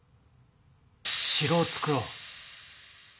城を造ろう。